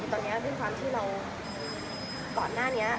ตอนนี้เพื่อนที่เราก่อนหน้านี้